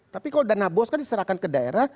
tapi kalau dana bos kan diserahkan ke daerah